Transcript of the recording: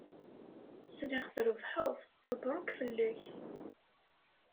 Sliɣ trebḥeḍ. Mebṛuk fell-ak!